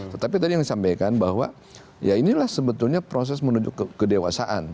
tetapi tadi yang disampaikan bahwa ya inilah sebetulnya proses menuju kedewasaan